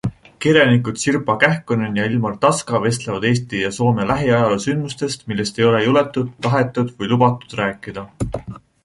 Kirjanikud Sirpa Kähkönen ja Ilmar Taska vestlevad Eesti ja Soome lähiajaloo sündmustest, millest ei ole juletud, tahetud või lubatud rääkida.